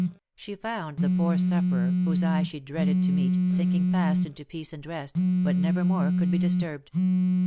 She found the poor sufferer, whose eye she dreaded to meet, sinking fast into peace and rest, that never more could be disturbed.